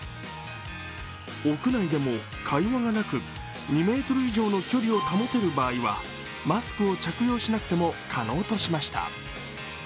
屋内でも会話がなく、２ｍ以上の距離を保てる場合はマスクを着用しなくても可能としました。